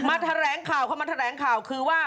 แถลงข่าวเข้ามาแถลงข่าวคือว่า